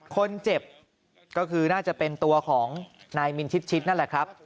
คนเจ็บก็คือน่าจะเป็นตัวของนายมินชิดชิดนั่นแหละครับ